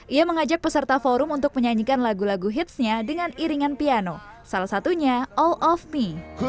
ia mengajak peserta forum untuk menyanyikan lagu lagu hitsnya dengan iringan piano salah satunya all of me